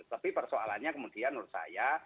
tapi persoalannya kemudian menurut saya